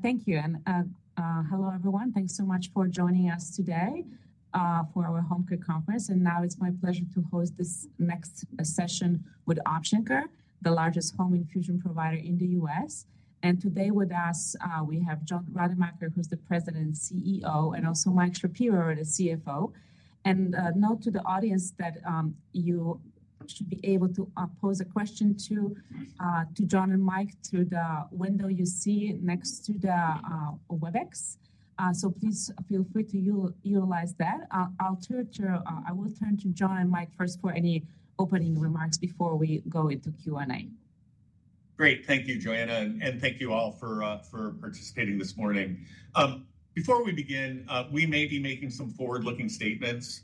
Thank you. And hello, everyone. Thanks so much for joining us today for our Home Care Conference. And now it's my pleasure to host this next session with Option Care Health, the largest home infusion provider in the U.S. And today with us, we have John Rademacher, who's the President and CEO, and also Mike Shapiro, the CFO. And a note to the audience that you should be able to pose a question to John and Mike through the window you see next to the Webex. So please feel free to utilize that. I will turn to John and Mike first for any opening remarks before we go into Q&A. Great. Thank you, Joanna. And thank you all for participating this morning. Before we begin, we may be making some forward-looking statements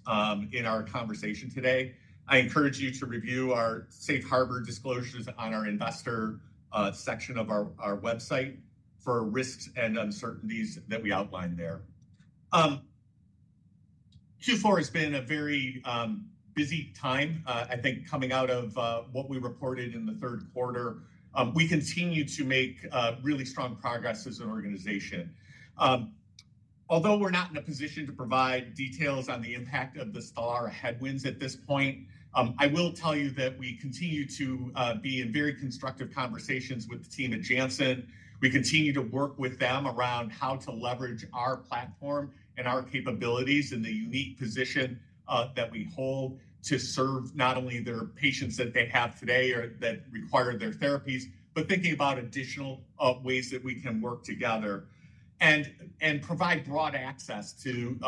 in our conversation today. I encourage you to review our safe harbor disclosures on our investor section of our website for risks and uncertainties that we outline there. Q4 has been a very busy time, I think, coming out of what we reported in the third quarter. We continue to make really strong progress as an organization. Although we're not in a position to provide details on the impact of the Stelara headwinds at this point, I will tell you that we continue to be in very constructive conversations with the team at Janssen. We continue to work with them around how to leverage our platform and our capabilities in the unique position that we hold to serve not only their patients that they have today or that require their therapies, but thinking about additional ways that we can work together and provide broad access to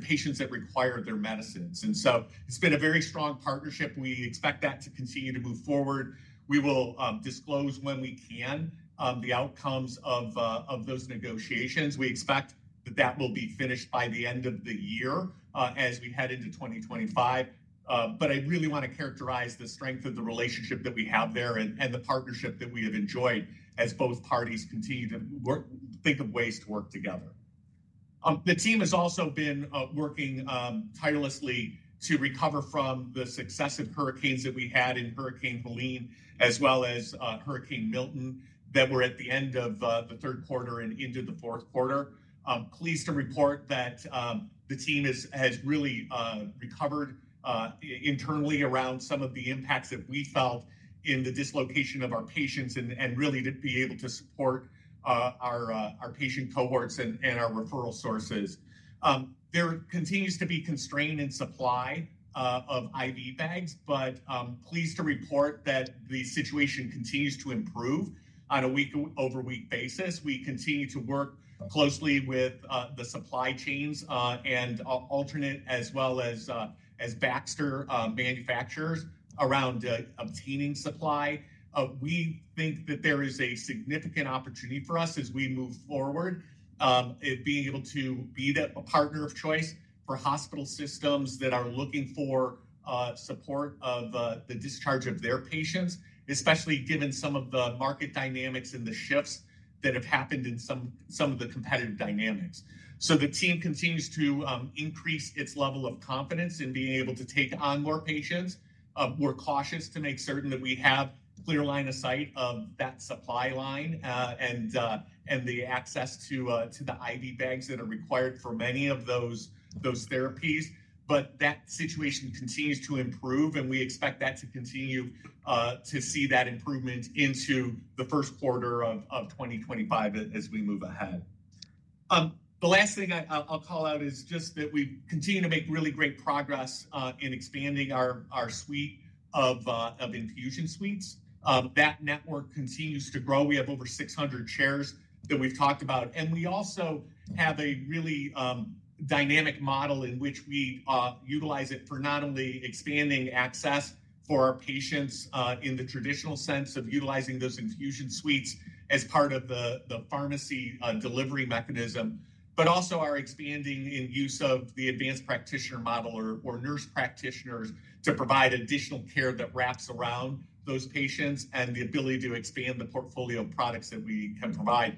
patients that require their medicines, and so it's been a very strong partnership. We expect that to continue to move forward. We will disclose when we can the outcomes of those negotiations. We expect that that will be finished by the end of the year as we head into 2025, but I really want to characterize the strength of the relationship that we have there and the partnership that we have enjoyed as both parties continue to think of ways to work together. The team has also been working tirelessly to recover from the successive hurricanes that we had in Hurricane Helene as well as Hurricane Milton that were at the end of the third quarter and into the fourth quarter. Pleased to report that the team has really recovered internally around some of the impacts that we felt in the dislocation of our patients and really to be able to support our patient cohorts and our referral sources. There continues to be constraint in supply of IV bags, but pleased to report that the situation continues to improve on a week-over-week basis. We continue to work closely with the supply chains and alternate as well as Baxter manufacturers around obtaining supply. We think that there is a significant opportunity for us as we move forward in being able to be a partner of choice for hospital systems that are looking for support of the discharge of their patients, especially given some of the market dynamics and the shifts that have happened in some of the competitive dynamics. So the team continues to increase its level of confidence in being able to take on more patients. We're cautious to make certain that we have clear line of sight of that supply line and the access to the IV bags that are required for many of those therapies. But that situation continues to improve, and we expect that to continue to see that improvement into the first quarter of 2025 as we move ahead. The last thing I'll call out is just that we continue to make really great progress in expanding our suite of infusion suites. That network continues to grow. We have over 600 chairs that we've talked about. And we also have a really dynamic model in which we utilize it for not only expanding access for our patients in the traditional sense of utilizing those infusion suites as part of the pharmacy delivery mechanism, but also our expanding in use of the advanced practitioner model or nurse practitioners to provide additional care that wraps around those patients and the ability to expand the portfolio of products that we can provide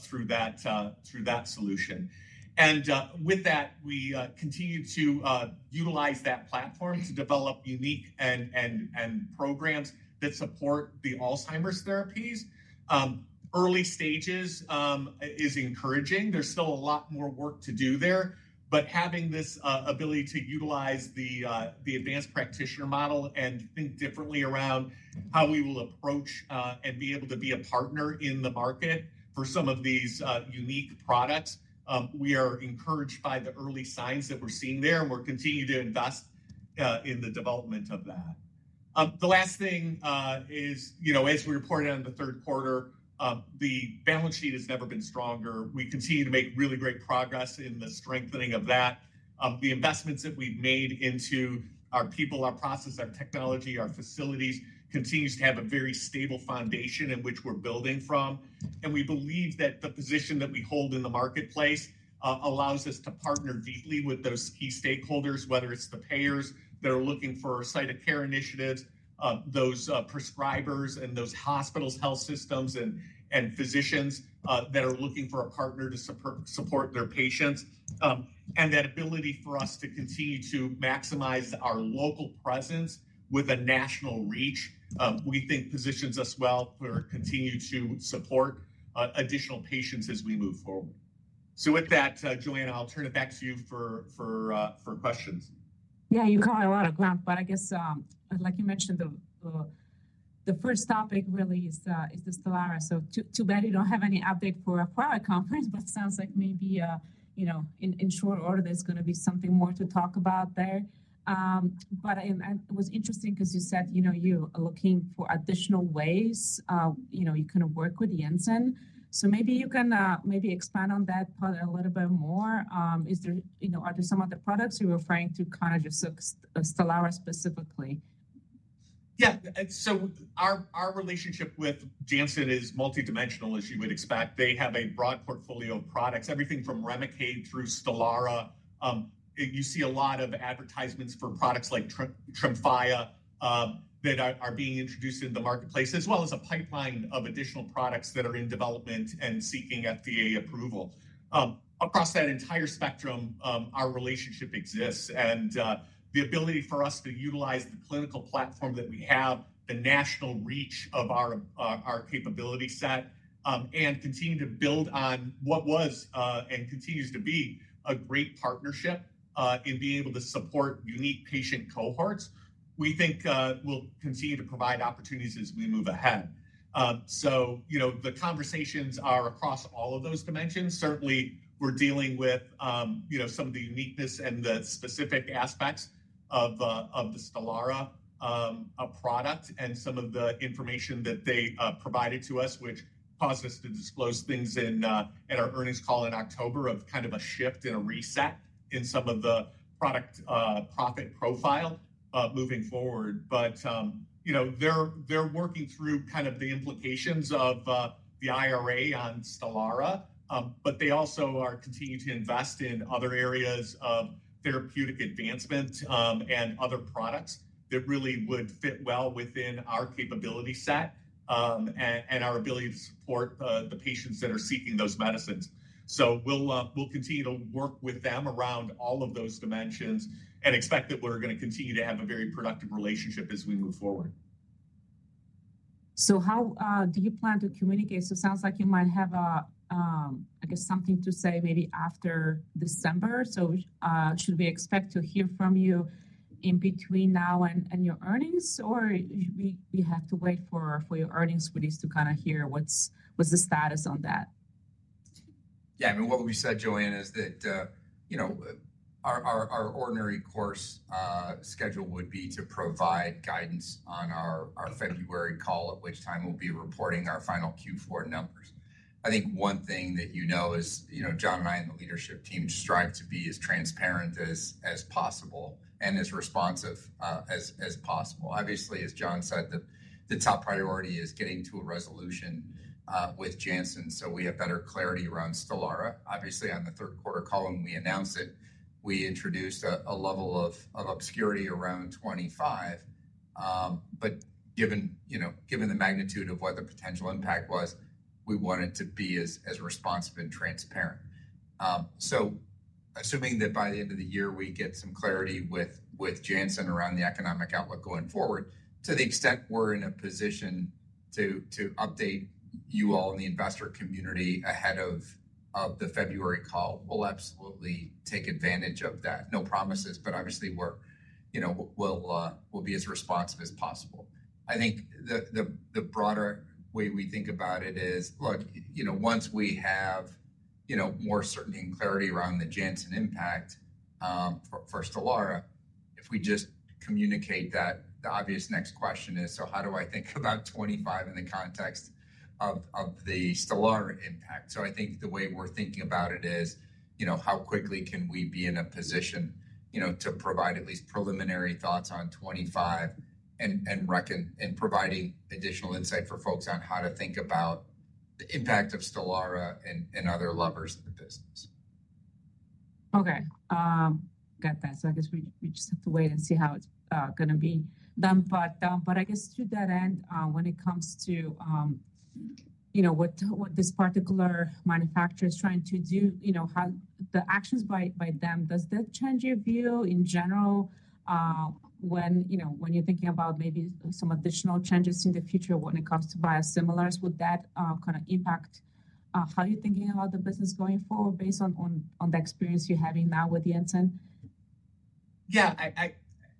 through that solution. And with that, we continue to utilize that platform to develop unique programs that support the Alzheimer's therapies. Early stages is encouraging. There's still a lot more work to do there. But having this ability to utilize the advanced practitioner model and think differently around how we will approach and be able to be a partner in the market for some of these unique products, we are encouraged by the early signs that we're seeing there, and we're continuing to invest in the development of that. The last thing is, as we reported on the third quarter, the balance sheet has never been stronger. We continue to make really great progress in the strengthening of that. The investments that we've made into our people, our process, our technology, our facilities continues to have a very stable foundation in which we're building from. We believe that the position that we hold in the marketplace allows us to partner deeply with those key stakeholders, whether it's the payers that are looking for site of care initiatives, those prescribers, and those hospitals, health systems, and physicians that are looking for a partner to support their patients. That ability for us to continue to maximize our local presence with a national reach, we think positions us well for continuing to support additional patients as we move forward. With that, Joanna, I'll turn it back to you for questions. Yeah, you covered a lot of ground, but I guess, like you mentioned, the first topic really is the Stelara. So too bad you don't have any update for our conference, but it sounds like maybe in short order, there's going to be something more to talk about there. But it was interesting because you said you're looking for additional ways you can work with Janssen. So maybe you can maybe expand on that part a little bit more. Are there some other products you're referring to, kind of just Stelara specifically? Yeah. So our relationship with Janssen is multidimensional, as you would expect. They have a broad portfolio of products, everything from Remicade through Stelara. You see a lot of advertisements for products like Tremfya that are being introduced in the marketplace, as well as a pipeline of additional products that are in development and seeking FDA approval. Across that entire spectrum, our relationship exists. And the ability for us to utilize the clinical platform that we have, the national reach of our capability set, and continue to build on what was and continues to be a great partnership in being able to support unique patient cohorts, we think will continue to provide opportunities as we move ahead. So the conversations are across all of those dimensions. Certainly, we're dealing with some of the uniqueness and the specific aspects of the Stelara product and some of the information that they provided to us, which caused us to disclose things in our earnings call in October of kind of a shift and a reset in some of the product profile moving forward. But they're working through kind of the implications of the IRA on Stelara, but they also are continuing to invest in other areas of therapeutic advancement and other products that really would fit well within our capability set and our ability to support the patients that are seeking those medicines. So we'll continue to work with them around all of those dimensions and expect that we're going to continue to have a very productive relationship as we move forward. How do you plan to communicate? It sounds like you might have, I guess, something to say maybe after December. Should we expect to hear from you in between now and your earnings, or we have to wait for your earnings release to kind of hear what's the status on that? Yeah. I mean, what we said, Joanna, is that our ordinary course schedule would be to provide guidance on our February call, at which time we'll be reporting our final Q4 numbers. I think one thing that you know is John and I and the leadership team strive to be as transparent as possible and as responsive as possible. Obviously, as John said, the top priority is getting to a resolution with Janssen so we have better clarity around Stelara. Obviously, on the third quarter call, we announced it. We introduced a level of obscurity around 25. But given the magnitude of what the potential impact was, we want it to be as responsive and transparent. So assuming that by the end of the year, we get some clarity with Janssen around the economic outlook going forward, to the extent we're in a position to update you all in the investor community ahead of the February call, we'll absolutely take advantage of that. No promises, but obviously, we'll be as responsive as possible. I think the broader way we think about it is, look, once we have more certainty and clarity around the Janssen impact for Stelara, if we just communicate that, the obvious next question is, so how do I think about 25 in the context of the Stelara impact? So I think the way we're thinking about it is, how quickly can we be in a position to provide at least preliminary thoughts on 25 and providing additional insight for folks on how to think about the impact of Stelara and other levers in the business? Okay. Got that. So I guess we just have to wait and see how it's going to be done. But I guess to that end, when it comes to what this particular manufacturer is trying to do, the actions by them, does that change your view in general when you're thinking about maybe some additional changes in the future when it comes to biosimilars? Would that kind of impact how you're thinking about the business going forward based on the experience you're having now with Janssen? Yeah.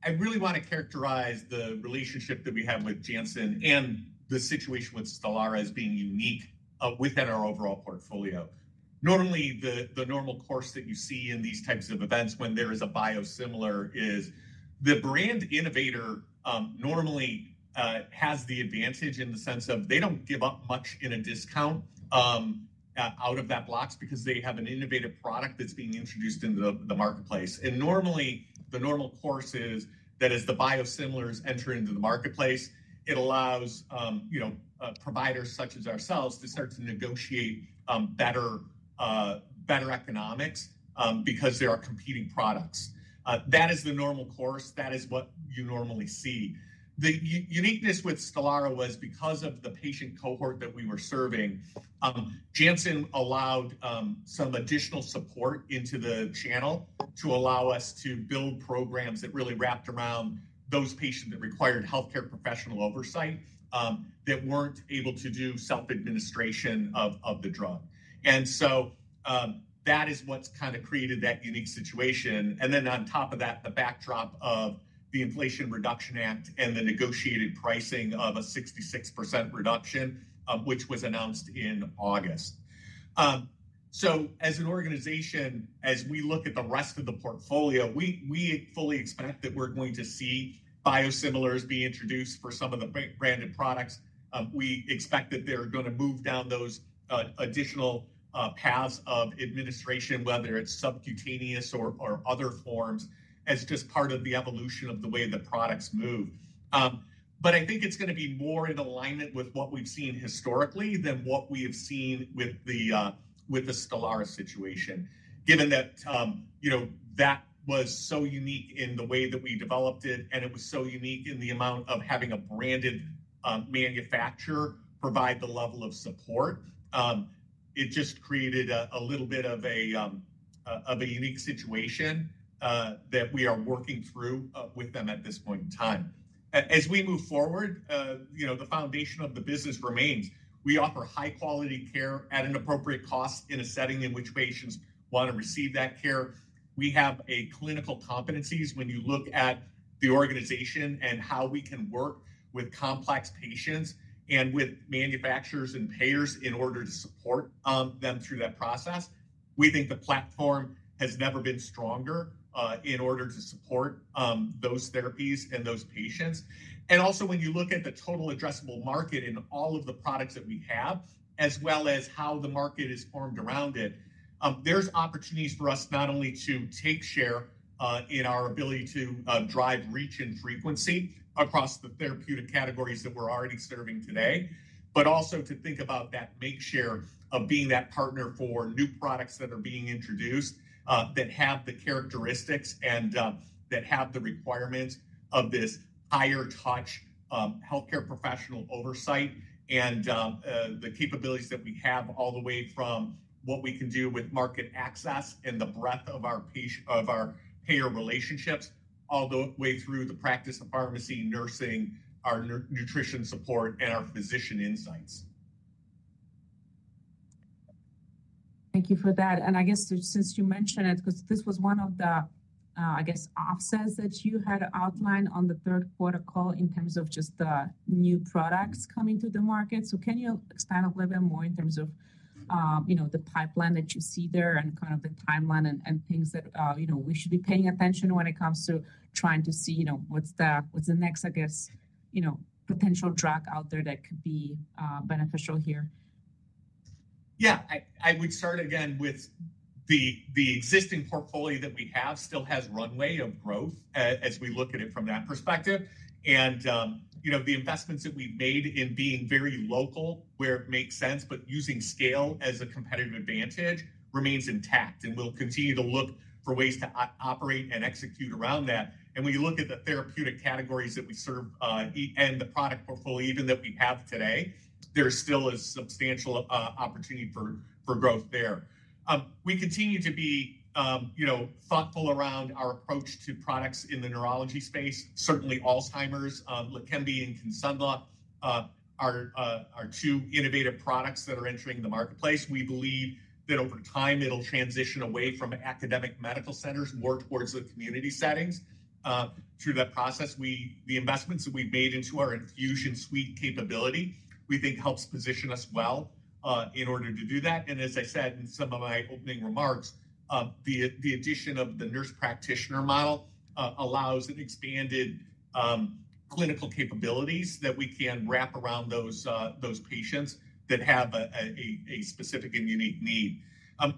I really want to characterize the relationship that we have with Janssen and the situation with Stelara as being unique within our overall portfolio. Normally, the normal course that you see in these types of events when there is a biosimilar is the brand innovator normally has the advantage in the sense of they don't give up much in a discount out of that box because they have an innovative product that's being introduced into the marketplace. And normally, the normal course is that as the biosimilars enter into the marketplace, it allows providers such as ourselves to start to negotiate better economics because there are competing products. That is the normal course. That is what you normally see. The uniqueness with Stelara was because of the patient cohort that we were serving. Janssen allowed some additional support into the channel to allow us to build programs that really wrapped around those patients that required healthcare professional oversight that weren't able to do self-administration of the drug. And so that is what's kind of created that unique situation. And then on top of that, the backdrop of the Inflation Reduction Act and the negotiated pricing of a 66% reduction, which was announced in August. So as an organization, as we look at the rest of the portfolio, we fully expect that we're going to see biosimilars be introduced for some of the branded products. We expect that they're going to move down those additional paths of administration, whether it's subcutaneous or other forms, as just part of the evolution of the way the products move. But I think it's going to be more in alignment with what we've seen historically than what we have seen with the Stelara situation, given that that was so unique in the way that we developed it, and it was so unique in the amount of having a branded manufacturer provide the level of support. It just created a little bit of a unique situation that we are working through with them at this point in time. As we move forward, the foundation of the business remains. We offer high-quality care at an appropriate cost in a setting in which patients want to receive that care. We have clinical competencies when you look at the organization and how we can work with complex patients and with manufacturers and payers in order to support them through that process. We think the platform has never been stronger in order to support those therapies and those patients, and also, when you look at the total addressable market in all of the products that we have, as well as how the market is formed around it, there's opportunities for us not only to take share in our ability to drive reach and frequency across the therapeutic categories that we're already serving today, but also to think about that market share of being that partner for new products that are being introduced that have the characteristics and that have the requirements of this higher-touch healthcare professional oversight and the capabilities that we have all the way from what we can do with market access and the breadth of our payer relationships, all the way through the practice, the pharmacy, nursing, our nutrition support, and our physician insights. Thank you for that. And I guess since you mentioned it, because this was one of the, I guess, offsets that you had outlined on the third quarter call in terms of just the new products coming to the market. So can you expand a little bit more in terms of the pipeline that you see there and kind of the timeline and things that we should be paying attention to when it comes to trying to see what's the next, I guess, potential drug out there that could be beneficial here? Yeah. I would start again with the existing portfolio that we have still has runway of growth as we look at it from that perspective. And the investments that we've made in being very local where it makes sense, but using scale as a competitive advantage remains intact. And we'll continue to look for ways to operate and execute around that. And when you look at the therapeutic categories that we serve and the product portfolio even that we have today, there still is substantial opportunity for growth there. We continue to be thoughtful around our approach to products in the neurology space. Certainly, Alzheimer's, Leqembi, and Kisunla are two innovative products that are entering the marketplace. We believe that over time, it'll transition away from academic medical centers more towards the community settings. Through that process, the investments that we've made into our infusion suite capability, we think helps position us well in order to do that. And as I said in some of my opening remarks, the addition of the nurse practitioner model allows an expanded clinical capabilities that we can wrap around those patients that have a specific and unique need.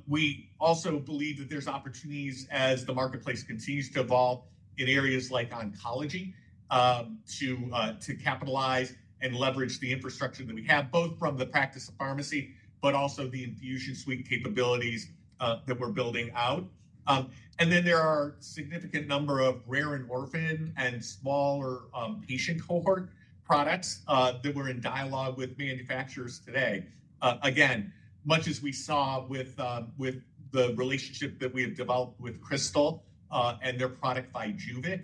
We also believe that there's opportunities as the marketplace continues to evolve in areas like oncology to capitalize and leverage the infrastructure that we have, both from the practice of pharmacy, but also the infusion suite capabilities that we're building out. And then there are a significant number of rare and orphan and smaller patient cohort products that we're in dialogue with manufacturers today. Again, much as we saw with the relationship that we have developed with Krystal Biotech and their product Vyjuvek,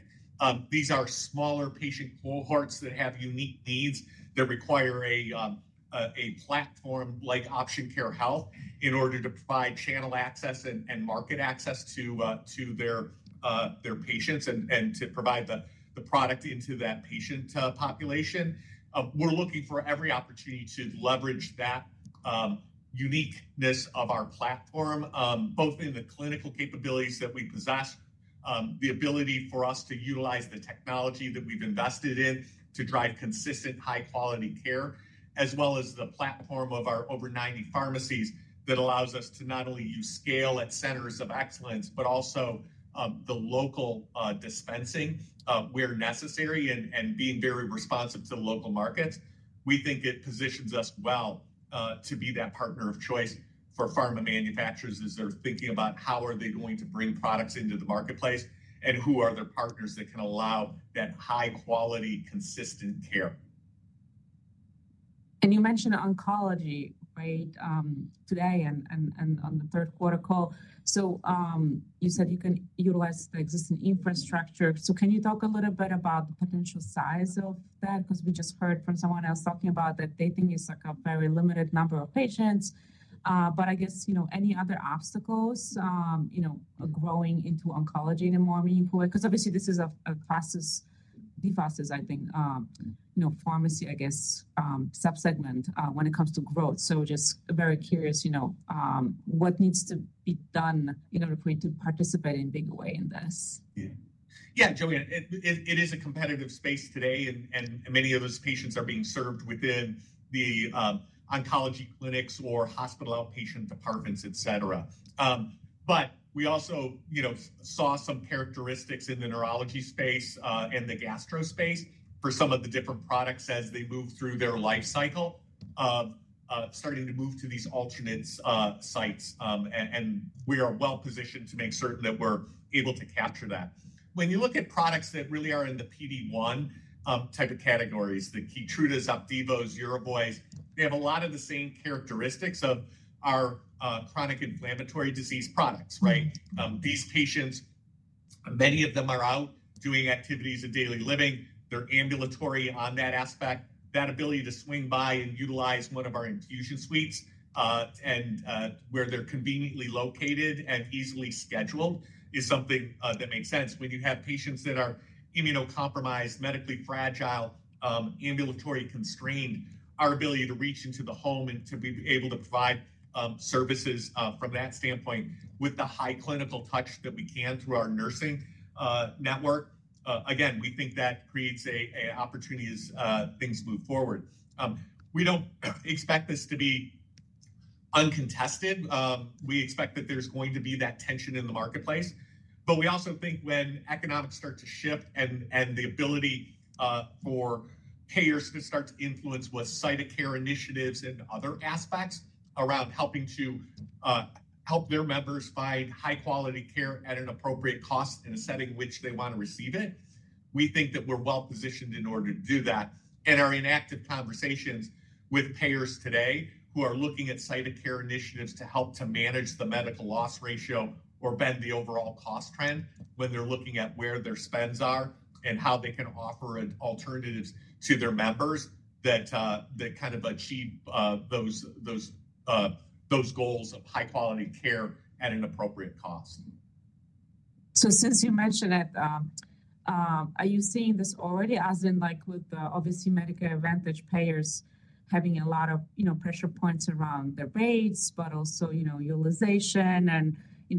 these are smaller patient cohorts that have unique needs that require a platform like Option Care Health in order to provide channel access and market access to their patients and to provide the product into that patient population. We're looking for every opportunity to leverage that uniqueness of our platform, both in the clinical capabilities that we possess, the ability for us to utilize the technology that we've invested in to drive consistent high-quality care, as well as the platform of our over 90 pharmacies that allows us to not only use scale at centers of excellence, but also the local dispensing where necessary and being very responsive to the local markets. We think it positions us well to be that partner of choice for pharma manufacturers as they're thinking about how are they going to bring products into the marketplace and who are their partners that can allow that high-quality, consistent care. And you mentioned oncology, right, today and on the third quarter call. So you said you can utilize the existing infrastructure. So can you talk a little bit about the potential size of that? Because we just heard from someone else talking about that they think it's a very limited number of patients. But I guess any other obstacles growing into oncology in a more meaningful way? Because obviously, this is the fastest, I think, pharmacy, I guess, subsegment when it comes to growth. So just very curious what needs to be done in order for you to participate in a big way in this. Yeah. Yeah, Joanna, it is a competitive space today, and many of those patients are being served within the oncology clinics or hospital outpatient departments, etc. But we also saw some characteristics in the neurology space and the gastro space for some of the different products as they move through their life cycle of starting to move to these alternate sites. And we are well positioned to make certain that we're able to capture that. When you look at products that really are in the PD-1 type of categories, the Keytrudas, Opdivos, Yervoys, they have a lot of the same characteristics of our chronic inflammatory disease products, right? These patients, many of them are out doing activities of daily living. They're ambulatory on that aspect. That ability to swing by and utilize one of our infusion suites and where they're conveniently located and easily scheduled is something that makes sense. When you have patients that are immunocompromised, medically fragile, ambulatory constrained, our ability to reach into the home and to be able to provide services from that standpoint with the high clinical touch that we can through our nursing network, again, we think that creates opportunities as things move forward. We don't expect this to be uncontested. We expect that there's going to be that tension in the marketplace. But we also think when economics start to shift and the ability for payers to start to influence with site-of-care initiatives and other aspects around helping their members find high-quality care at an appropriate cost in a setting in which they want to receive it, we think that we're well positioned in order to do that. Our ongoing conversations with payers today who are looking at site of care initiatives to help to manage the medical loss ratio or bend the overall cost trend when they're looking at where their spends are and how they can offer alternatives to their members that kind of achieve those goals of high-quality care at an appropriate cost. So since you mentioned it, are you seeing this already as in with the obviously Medicare Advantage payers having a lot of pressure points around the rates, but also utilization and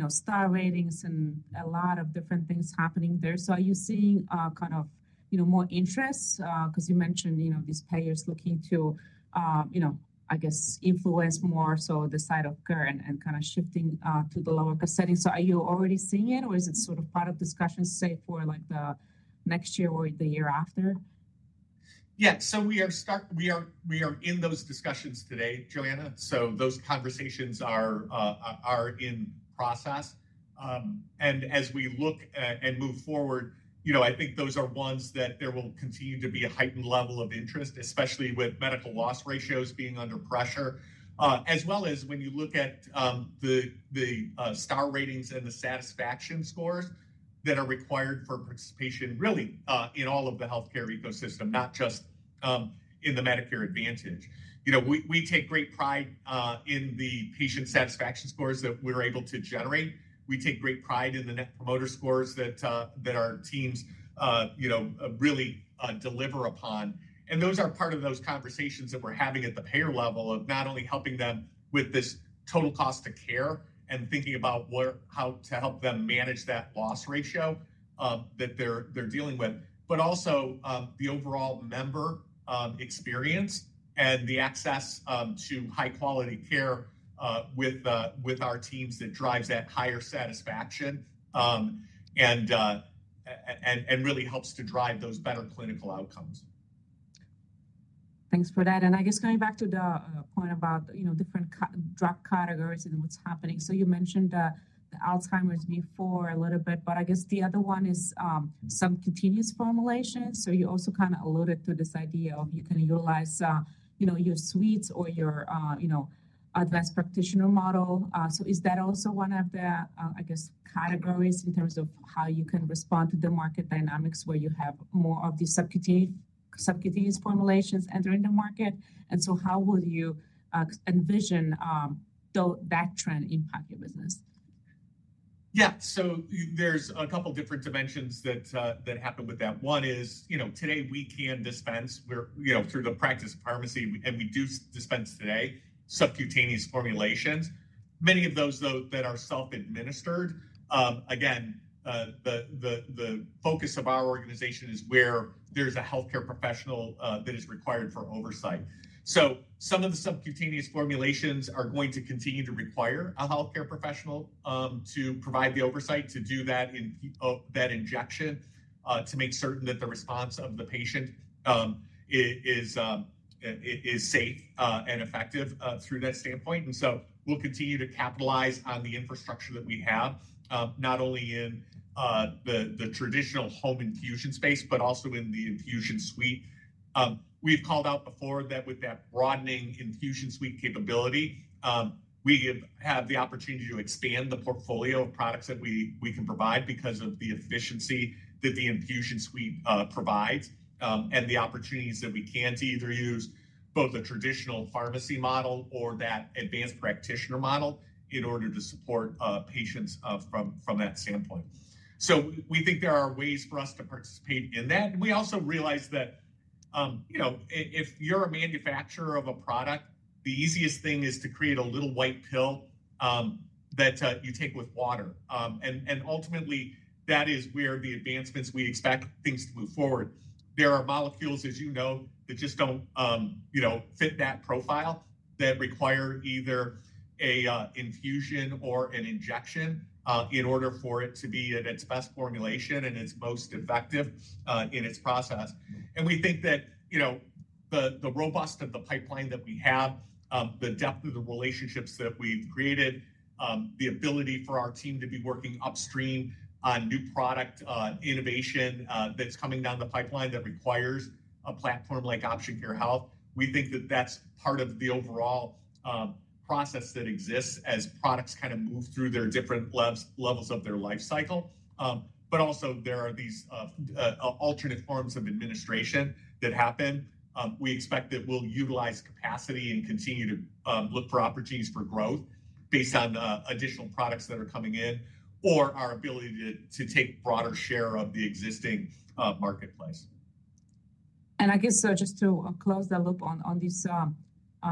Star Ratings and a lot of different things happening there? So are you seeing kind of more interest? Because you mentioned these payers looking to, I guess, influence more so the site of care and kind of shifting to the lower-cost setting. So are you already seeing it, or is it sort of part of discussions, say, for the next year or the year after? Yeah. So we are in those discussions today, Joanna. So those conversations are in process. And as we look and move forward, I think those are ones that there will continue to be a heightened level of interest, especially with medical loss ratios being under pressure, as well as when you look at the Star Ratings and the satisfaction scores that are required for participation really in all of the healthcare ecosystem, not just in the Medicare Advantage. We take great pride in the patient satisfaction scores that we're able to generate. We take great pride in the Net Promoter Scores that our teams really deliver upon. Those are part of those conversations that we're having at the payer level of not only helping them with this total cost of care and thinking about how to help them manage that loss ratio that they're dealing with, but also the overall member experience and the access to high-quality care with our teams that drives that higher satisfaction and really helps to drive those better clinical outcomes. Thanks for that. And I guess going back to the point about different drug categories and what's happening. So you mentioned the Alzheimer's before a little bit, but I guess the other one is some subcutaneous formulation. So you also kind of alluded to this idea of you can utilize your suites or your advanced practitioner model. So is that also one of the, I guess, categories in terms of how you can respond to the market dynamics where you have more of these subcutaneous formulations entering the market? And so how would you envision that trend impact your business? Yeah. So there's a couple of different dimensions that happen with that. One is today we can dispense through the practice of pharmacy, and we do dispense today subcutaneous formulations. Many of those, though, that are self-administered. Again, the focus of our organization is where there's a healthcare professional that is required for oversight. So some of the subcutaneous formulations are going to continue to require a healthcare professional to provide the oversight to do that injection to make certain that the response of the patient is safe and effective through that standpoint. And so we'll continue to capitalize on the infrastructure that we have, not only in the traditional home infusion space, but also in the infusion suite. We've called out before that with that broadening infusion suite capability, we have the opportunity to expand the portfolio of products that we can provide because of the efficiency that the infusion suite provides and the opportunities that we can to either use both the traditional pharmacy model or that advanced practitioner model in order to support patients from that standpoint. So we think there are ways for us to participate in that. And we also realize that if you're a manufacturer of a product, the easiest thing is to create a little white pill that you take with water. And ultimately, that is where the advancements we expect things to move forward. There are molecules, as you know, that just don't fit that profile that require either an infusion or an injection in order for it to be at its best formulation and its most effective in its process. And we think that the robustness of the pipeline that we have, the depth of the relationships that we've created, the ability for our team to be working upstream on new product innovation that's coming down the pipeline that requires a platform like Option Care Health, we think that that's part of the overall process that exists as products kind of move through their different levels of their life cycle. But also, there are these alternate forms of administration that happen. We expect that we'll utilize capacity and continue to look for opportunities for growth based on additional products that are coming in or our ability to take a broader share of the existing marketplace. I guess just to close the loop on these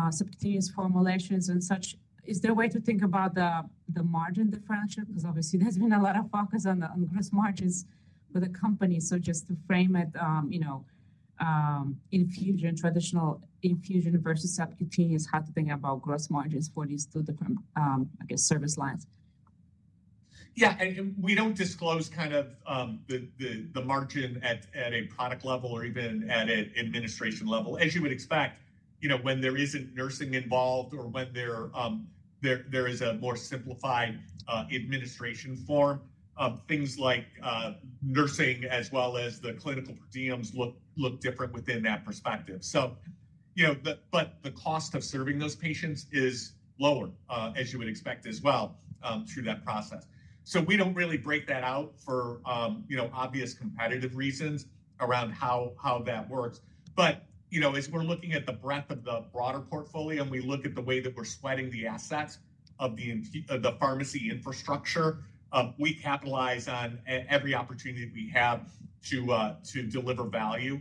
subcutaneous formulations and such, is there a way to think about the margin differential? Because obviously, there's been a lot of focus on gross margins for the company. Just to frame it, infusion, traditional infusion versus subcutaneous, how to think about gross margins for these two different, I guess, service lines. Yeah, and we don't disclose kind of the margin at a product level or even at an administration level. As you would expect, when there isn't nursing involved or when there is a more simplified administration form, things like nursing as well as the clinical per diems look different within that perspective, but the cost of serving those patients is lower, as you would expect as well, through that process, so we don't really break that out for obvious competitive reasons around how that works, but as we're looking at the breadth of the broader portfolio and we look at the way that we're sweating the assets of the pharmacy infrastructure, we capitalize on every opportunity we have to deliver value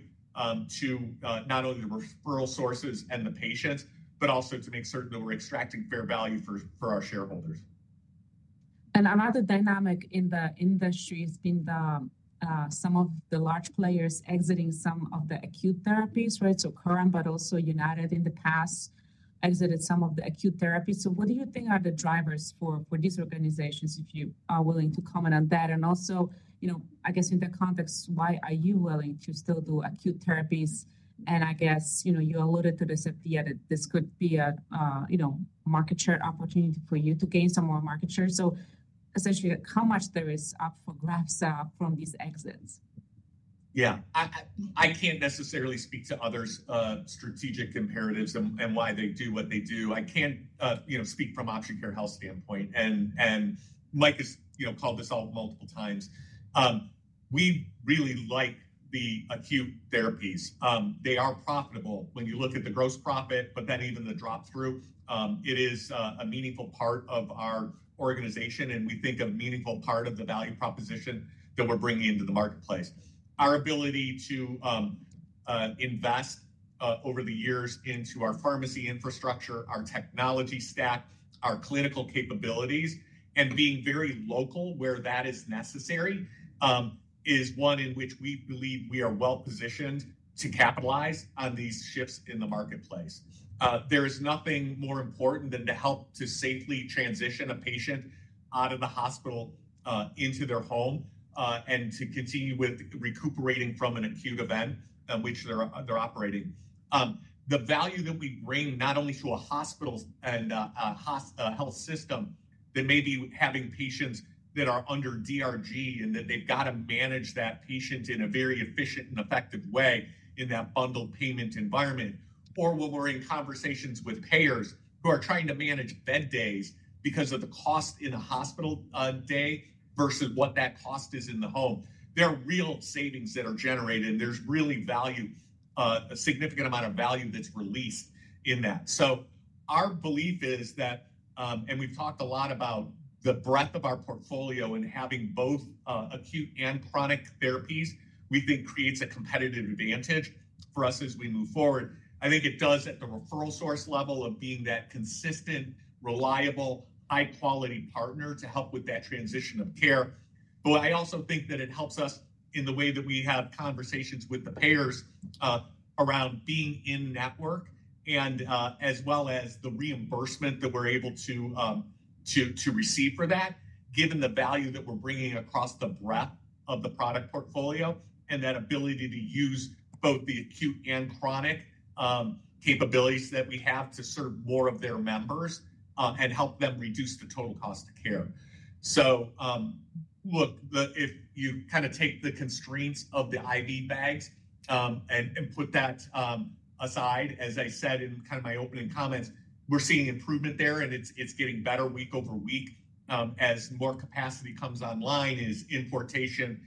to not only the referral sources and the patients, but also to make certain that we're extracting fair value for our shareholders. And another dynamic in the industry has been some of the large players exiting some of the acute therapies, right? So Coram, but also United in the past exited some of the acute therapies. So what do you think are the drivers for these organizations, if you are willing to comment on that? And also, I guess in that context, why are you willing to still do acute therapies? And I guess you alluded to this at the end that this could be a market share opportunity for you to gain some more market share. So essentially, how much is up for grabs from these exits? Yeah. I can't necessarily speak to others' strategic imperatives and why they do what they do. I can't speak from Option Care Health standpoint. And Mike has called this out multiple times. We really like the acute therapies. They are profitable when you look at the gross profit, but then even the drop-through. It is a meaningful part of our organization, and we think a meaningful part of the value proposition that we're bringing into the marketplace. Our ability to invest over the years into our pharmacy infrastructure, our technology stack, our clinical capabilities, and being very local where that is necessary is one in which we believe we are well positioned to capitalize on these shifts in the marketplace. There is nothing more important than to help to safely transition a patient out of the hospital into their home and to continue with recuperating from an acute event in which they're operating. The value that we bring not only to a hospital and a health system that may be having patients that are under DRG and that they've got to manage that patient in a very efficient and effective way in that bundled payment environment, or when we're in conversations with payers who are trying to manage bed days because of the cost in a hospital day versus what that cost is in the home, there are real savings that are generated, and there's really a significant amount of value that's released in that. Our belief is that, and we've talked a lot about the breadth of our portfolio and having both acute and chronic therapies, we think creates a competitive advantage for us as we move forward. I think it does at the referral source level of being that consistent, reliable, high-quality partner to help with that transition of care. But I also think that it helps us in the way that we have conversations with the payers around being in network and as well as the reimbursement that we're able to receive for that, given the value that we're bringing across the breadth of the product portfolio and that ability to use both the acute and chronic capabilities that we have to serve more of their members and help them reduce the total cost of care. So, look, if you kind of take the constraints of the IV bags and put that aside, as I said in kind of my opening comments, we're seeing improvement there, and it's getting better week over week as more capacity comes online, as importation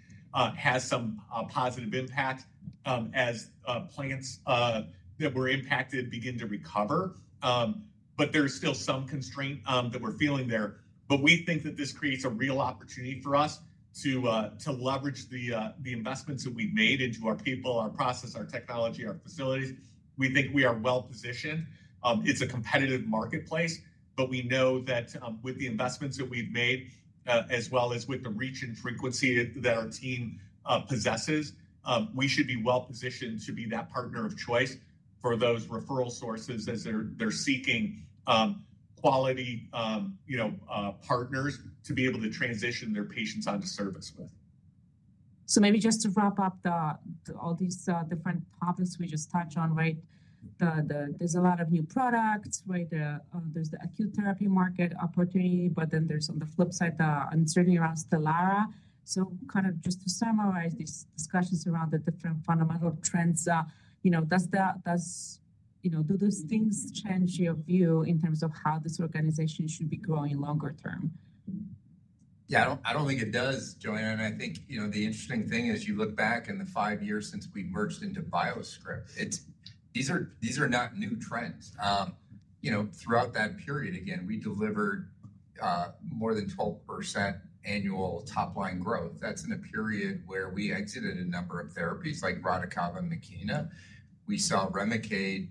has some positive impact, as plants that were impacted begin to recover. But there's still some constraint that we're feeling there. But we think that this creates a real opportunity for us to leverage the investments that we've made into our people, our process, our technology, our facilities. We think we are well positioned. It's a competitive marketplace, but we know that with the investments that we've made, as well as with the reach and frequency that our team possesses, we should be well positioned to be that partner of choice for those referral sources as they're seeking quality partners to be able to transition their patients onto service with. So maybe just to wrap up all these different topics we just touched on, right? There's a lot of new products, right? There's the acute therapy market opportunity, but then there's on the flip side, uncertainty around Stelara. So kind of just to summarize these discussions around the different fundamental trends, does those things change your view in terms of how this organization should be growing longer term? Yeah, I don't think it does, Joanna. And I think the interesting thing is you look back in the five years since we merged into BioScrip, these are not new trends. Throughout that period, again, we delivered more than 12% annual top-line growth. That's in a period where we exited a number of therapies like Radicava and Makena. We saw Remicade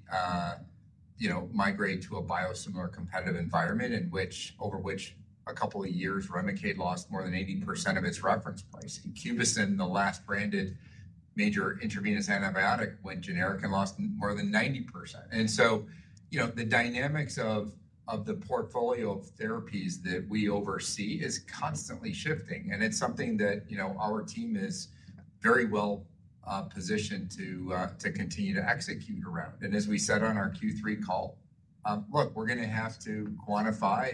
migrate to a biosimilar competitive environment over which a couple of years Remicade lost more than 80% of its reference price. Cubicin, the last branded major intravenous antibiotic, went generic and lost more than 90%. And so the dynamics of the portfolio of therapies that we oversee is constantly shifting. And it's something that our team is very well positioned to continue to execute around. And as we said on our Q3 call, look, we're going to have to quantify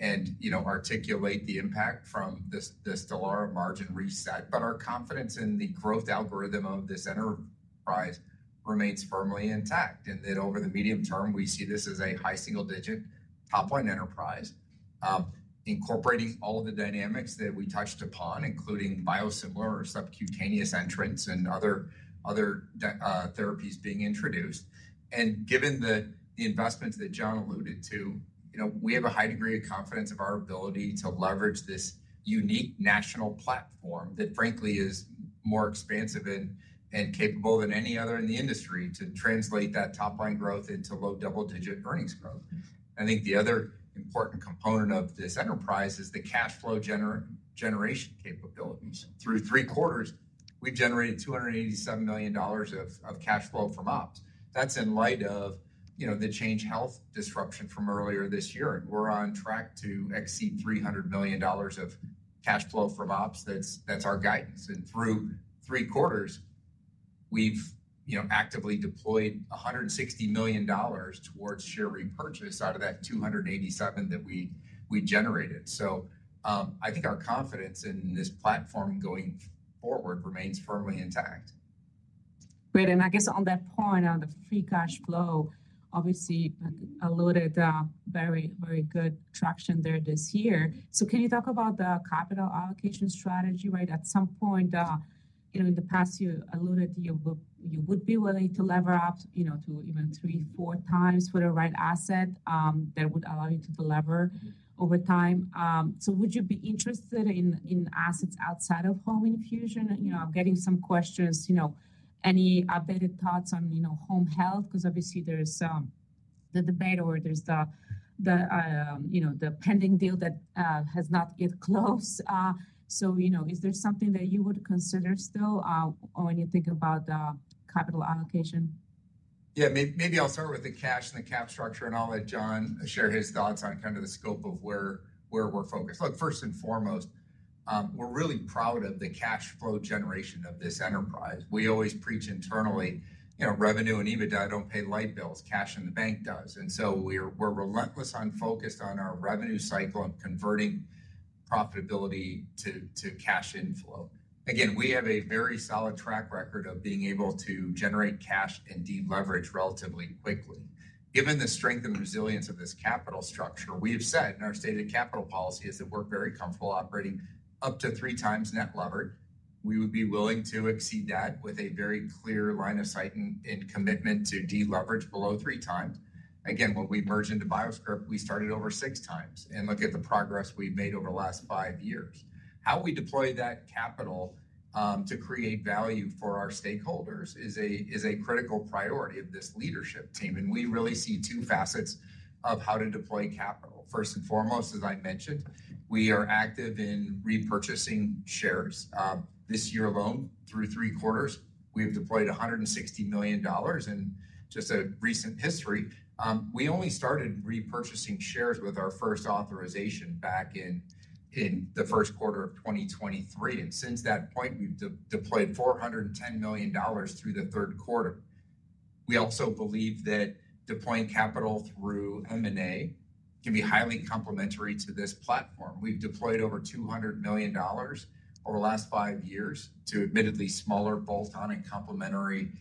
and articulate the impact from the Stelara margin reset. But our confidence in the growth algorithm of this enterprise remains firmly intact, and that over the medium term, we see this as a high single-digit top-line enterprise, incorporating all of the dynamics that we touched upon, including biosimilar or subcutaneous entrance and other therapies being introduced. And given the investments that John alluded to, we have a high degree of confidence of our ability to leverage this unique national platform that, frankly, is more expansive and capable than any other in the industry to translate that top-line growth into low double-digit earnings growth. I think the other important component of this enterprise is the cash flow generation capabilities. Through three quarters, we've generated $287 million of cash flow from ops. That's in light of the Change Healthcare disruption from earlier this year. We're on track to exceed $300 million of cash flow from ops. That's our guidance. And through three quarters, we've actively deployed $160 million towards share repurchase out of that $287 that we generated. So I think our confidence in this platform going forward remains firmly intact. Great, and I guess on that point, on the free cash flow, obviously alluded very, very good traction there this year, so can you talk about the capital allocation strategy, right? At some point in the past, you alluded you would be willing to lever up to even three, four times for the right asset that would allow you to deliver over time, so would you be interested in assets outside of home infusion? I'm getting some questions. Any updated thoughts on home health? Because obviously, there's the debate or there's the pending deal that has not yet closed, so is there something that you would consider still when you think about capital allocation? Yeah, maybe I'll start with the cash and the cap structure and I'll let John share his thoughts on kind of the scope of where we're focused. Look, first and foremost, we're really proud of the cash flow generation of this enterprise. We always preach internally, revenue and EBITDA don't pay light bills. Cash in the bank does. And so we're relentless on focus on our revenue cycle and converting profitability to cash inflow. Again, we have a very solid track record of being able to generate cash and de-leverage relatively quickly. Given the strength and resilience of this capital structure, we have said in our stated capital policies that we're very comfortable operating up to three times net leverage. We would be willing to exceed that with a very clear line of sight and commitment to de-leverage below three times. Again, when we merged into BioScrip, we started over six times and look at the progress we've made over the last five years. How we deploy that capital to create value for our stakeholders is a critical priority of this leadership team, and we really see two facets of how to deploy capital. First and foremost, as I mentioned, we are active in repurchasing shares. This year alone, through three quarters, we have deployed $160 million in just a recent history. We only started repurchasing shares with our first authorization back in the first quarter of 2023, and since that point, we've deployed $410 million through the third quarter. We also believe that deploying capital through M&A can be highly complementary to this platform. We've deployed over $200 million over the last five years to admittedly smaller bolt-on and complementary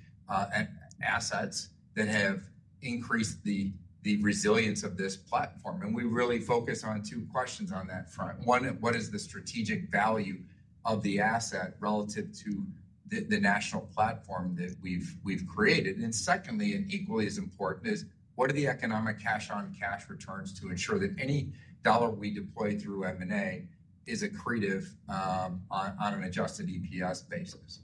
assets that have increased the resilience of this platform. And we really focus on two questions on that front. One, what is the strategic value of the asset relative to the national platform that we've created? And secondly, and equally as important, what are the economic cash-on-cash returns to ensure that any dollar we deploy through M&A is accretive on an adjusted EPS basis?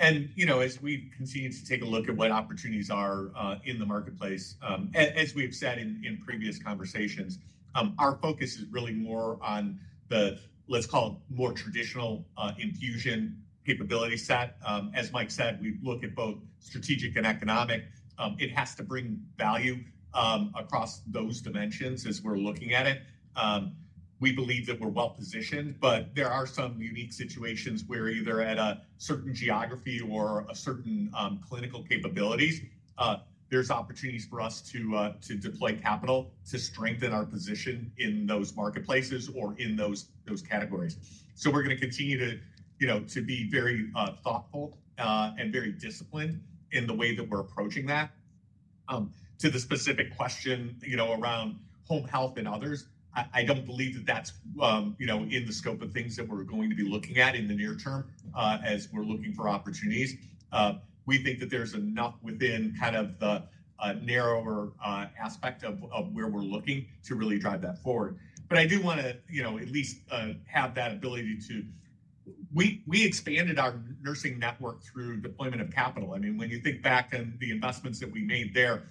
And as we've continued to take a look at what opportunities are in the marketplace, as we've said in previous conversations, our focus is really more on the, let's call it, more traditional infusion capability set. As Mike said, we look at both strategic and economic. It has to bring value across those dimensions as we're looking at it. We believe that we're well positioned, but there are some unique situations where either at a certain geography or a certain clinical capabilities, there's opportunities for us to deploy capital to strengthen our position in those marketplaces or in those categories. So we're going to continue to be very thoughtful and very disciplined in the way that we're approaching that. To the specific question around home health and others, I don't believe that that's in the scope of things that we're going to be looking at in the near term as we're looking for opportunities. We think that there's enough within kind of the narrower aspect of where we're looking to really drive that forward. But I do want to at least have that ability. We expanded our nursing network through deployment of capital. I mean, when you think back to the investments that we made there,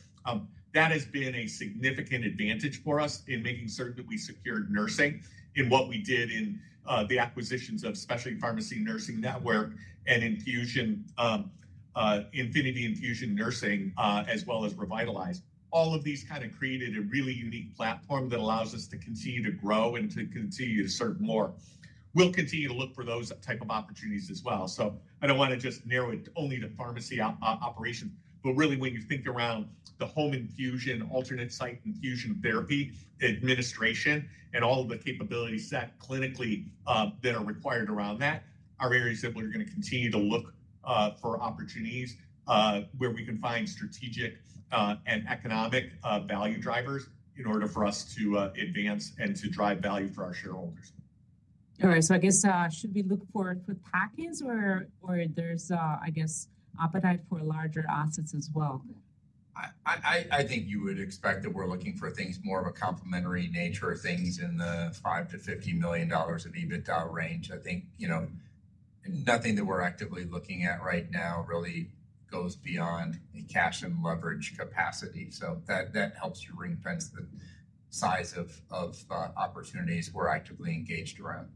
that has been a significant advantage for us in making certain that we secured nursing in what we did in the acquisitions of Specialty Pharmacy Nursing Network and Infinity Infusion Nursing, as well as Revitalize. All of these kind of created a really unique platform that allows us to continue to grow and to continue to serve more. We'll continue to look for those types of opportunities as well. So I don't want to just narrow it only to pharmacy operations, but really when you think around the home infusion, alternate site infusion therapy administration, and all of the capability set clinically that are required around that, are areas that we're going to continue to look for opportunities where we can find strategic and economic value drivers in order for us to advance and to drive value for our shareholders. All right, so I guess should we look forward with packages, or is there, I guess, appetite for larger assets as well? I think you would expect that we're looking for things more of a complementary nature of things in the $5-$50 million EBITDA range. I think nothing that we're actively looking at right now really goes beyond the cash and leverage capacity. So that helps you ring-fence the size of opportunities we're actively engaged around.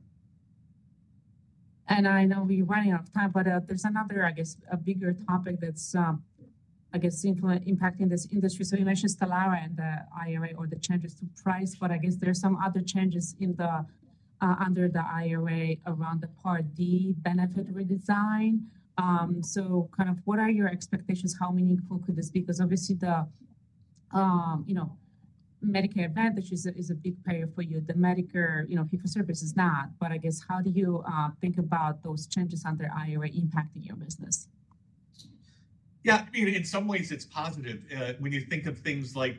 I know we're running out of time, but there's another, I guess, a bigger topic that's, I guess, impacting this industry. So you mentioned Stelara and the IRA or the changes to price, but I guess there are some other changes under the IRA around the Part D benefit redesign. So kind of what are your expectations? How meaningful could this be? Because obviously, the Medicare Advantage is a big player for you. The Medicare home infusion service is not, but I guess how do you think about those changes under IRA impacting your business? Yeah, I mean, in some ways, it's positive. When you think of things like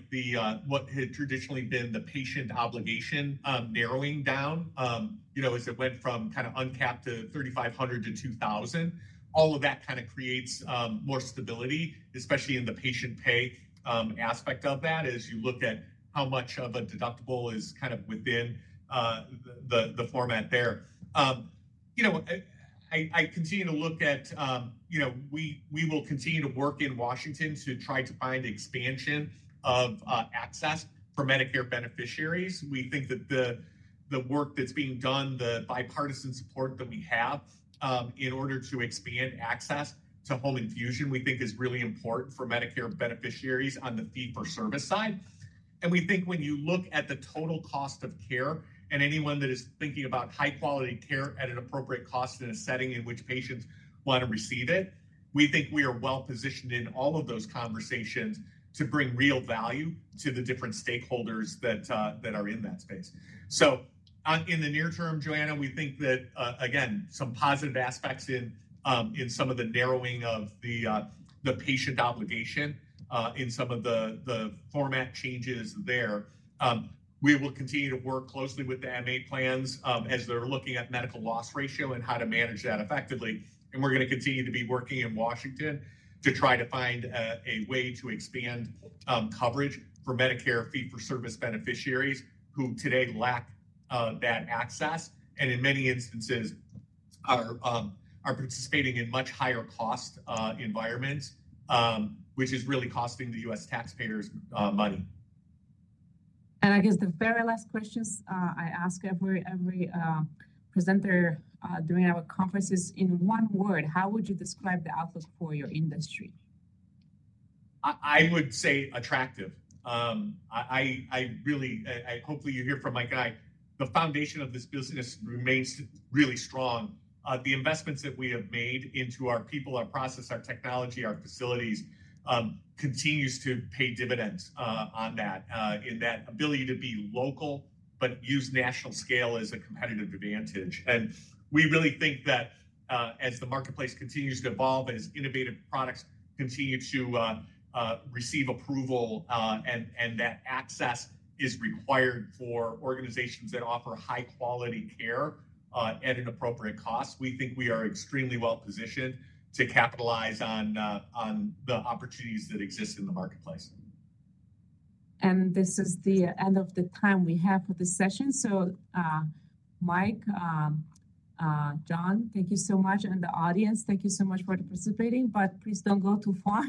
what had traditionally been the patient obligation narrowing down as it went from kind of uncapped to $3,500 to $2,000, all of that kind of creates more stability, especially in the patient pay aspect of that as you look at how much of a deductible is kind of within the format there. I continue to look at. We will continue to work in Washington to try to find expansion of access for Medicare beneficiaries. We think that the work that's being done, the bipartisan support that we have in order to expand access to home infusion, we think is really important for Medicare beneficiaries on the fee-for-service side. We think when you look at the total cost of care and anyone that is thinking about high-quality care at an appropriate cost in a setting in which patients want to receive it, we think we are well positioned in all of those conversations to bring real value to the different stakeholders that are in that space. In the near term, Joanna, we think that, again, some positive aspects in some of the narrowing of the patient obligation in some of the format changes there. We will continue to work closely with the MA plans as they're looking at medical loss ratio and how to manage that effectively. We're going to continue to be working in Washington to try to find a way to expand coverage for Medicare Fee-for-Service beneficiaries who today lack that access and in many instances are participating in much higher cost environments, which is really costing the U.S. taxpayers money. I guess the very last questions I ask every presenter during our conferences, in one word, how would you describe the outlook for your industry? I would say attractive. Hopefully, you hear from my guy. The foundation of this business remains really strong. The investments that we have made into our people, our process, our technology, our facilities continues to pay dividends on that in that ability to be local, but use national scale as a competitive advantage, and we really think that as the marketplace continues to evolve, as innovative products continue to receive approval, and that access is required for organizations that offer high-quality care at an appropriate cost, we think we are extremely well positioned to capitalize on the opportunities that exist in the marketplace. This is the end of the time we have for this session. Mike, John, thank you so much. The audience, thank you so much for participating, but please don't go too far.